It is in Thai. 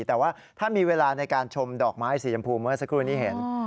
แต่ว่าถ้ามีเวลาในการชมดอกไม้สีชมพูเมื่อสักครู่นี้เห็น